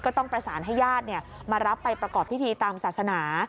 ต้องประสานให้ญาติมารับไปประกอบพิธีตามศาสนา